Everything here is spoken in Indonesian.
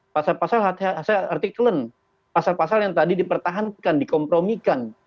pasal pasal artikelen pasal pasal yang tadi dipertahankan dikompromikan